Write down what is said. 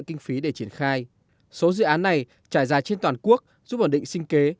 kinh phí để triển khai số dự án này trải dài trên toàn quốc giúp ổn định sinh kế